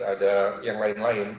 ada yang lain lain